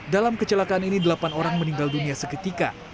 dalam kecelakaan ini delapan orang meninggal dunia seketika